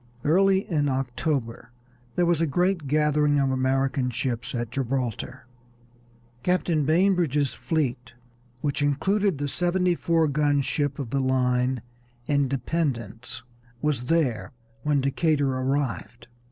Early in October there was a great gathering of American ships at Gibraltar. Captain Bainbridge's fleet, which included the seventy four gun ship of the line Independence, was there when Decatur arrived.